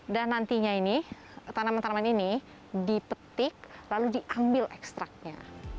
dan nantinya ini tanaman tanaman ini dipetik lalu diambil ekstraknya